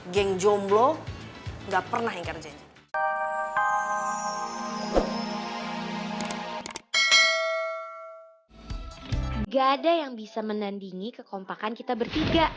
gak ada yang bisa menandingi kekompakan kita bertiga